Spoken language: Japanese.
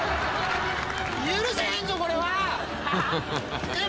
許せへんぞこれは。えっ？